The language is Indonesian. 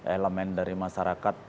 elemen dari masyarakat